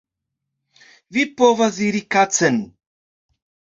Vi povas iri kacen